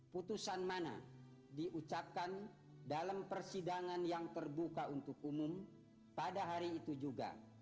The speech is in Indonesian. putusan mana diucapkan dalam persidangan yang terbuka untuk umum pada hari itu juga